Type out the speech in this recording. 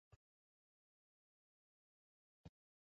Om kertier foar ienen de middeis wie de masinist frij.